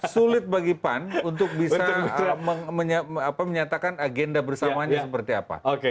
sulit bagi pan untuk bisa menyatakan agenda bersamanya seperti apa